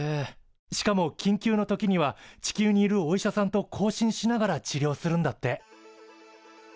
しかも緊急の時には地球にいるお医者さんと交信しながら治療するんだって。